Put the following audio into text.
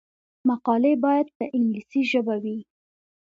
مقالې باید په انګلیسي ژبه وي.